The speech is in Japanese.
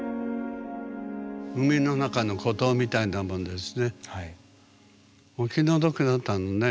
海の中の孤島みたいなものですね。